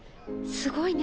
すごいね。